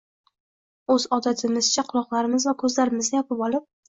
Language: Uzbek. o‘z odatimizcha, quloqlarimiz va ko‘zlarimizni yopib olib